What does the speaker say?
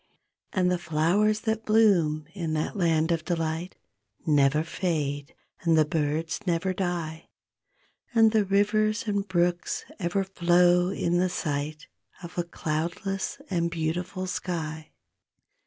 And the flowers that bloom in that land of delight Never fade, and the birds never die; And the rivers and brooks ever flow in the sight Of a cloudless and beautiful sky.